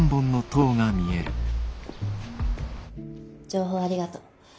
「情報ありがとう。